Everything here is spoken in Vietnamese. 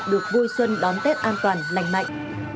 được vui xuân đón tết an toàn lành mạnh